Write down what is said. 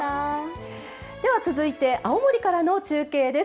では続いて青森からの中継です。